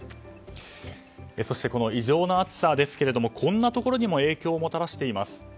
そして、異常な暑さですけどこんなところにも影響をもたらしています。